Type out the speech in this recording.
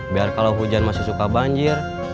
biar kalau hujan masih suka banjir